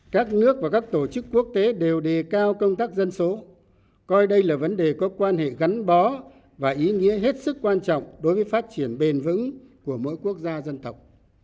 các nước và các tổ chức quốc tế đều đề cao công tác dân số coi đây là vấn đề có quan hệ gắn bó và ý nghĩa hết sức quan trọng đối với phát triển bền vững của mỗi quốc gia dân tộc